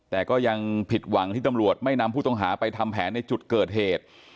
แต่ก็ยังผิดหวังที่ตำรวจไม่นำผู้ต้องหาไปทำแผนในจุดเกิดเหตุ